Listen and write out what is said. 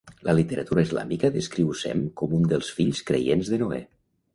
La literatura islàmica descriu Sem com un dels fills creients de Noè.